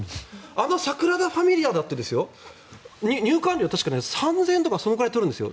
あのサグラダ・ファミリアだって入館料、確か３０００円とかそのくらい取るんです。